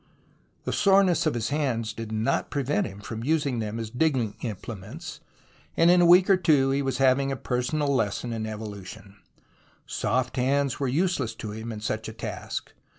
The soreness of his hands did not prevent him from using them as digging implements, and in a week or two he was having a personal lesson in 28 THE ROMANCE OF EXCAVATION evolution. Soft hands were useless to him in such a task.